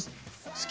好き？